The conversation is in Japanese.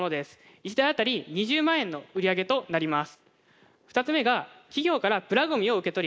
１トンあたり５万円の売り上げとなります。